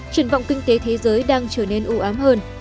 truyền vọng kinh tế thế giới đang trở nên ưu ám hơn